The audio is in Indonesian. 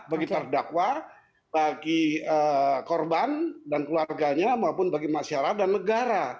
bagi terdakwa bagi korban dan keluarganya maupun bagi masyarakat dan negara